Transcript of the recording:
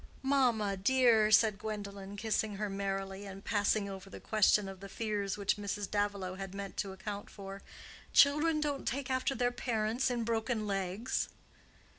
"Mamma, dear," said Gwendolen, kissing her merrily, and passing over the question of the fears which Mrs. Davilow had meant to account for, "children don't take after their parents in broken legs."